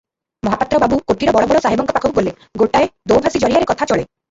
ମହାପାତ୍ର ବାବୁ କୋଠିର ବଡ଼ ବଡ଼ ସାହେବଙ୍କ ପାଖକୁ ଗଲେ, ଗୋଟାଏ ଦୋଭାଷୀ ଜରିଆରେ କଥା ଚଳେ ।